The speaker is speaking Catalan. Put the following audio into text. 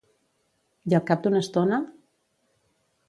I al cap d'una estona?